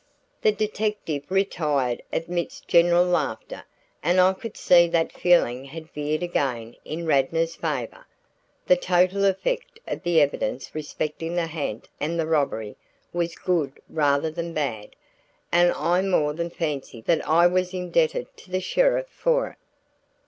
The detective retired amidst general laughter and I could see that feeling had veered again in Radnor's favor. The total effect of the evidence respecting the ha'nt and the robbery was good rather than bad, and I more than fancied that I was indebted to the sheriff for it.